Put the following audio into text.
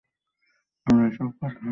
আমরা এসব একসাথেই করেছি।